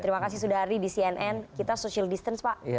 terima kasih sudah hari di cnn kita social distance pak